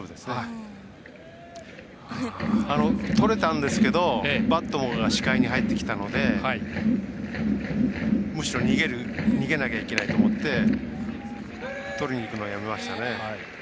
とれたんですけどバットのほうが視界に入ってきたので、むしろ逃げなきゃいけないと思ってとりにいくのをやめましたね。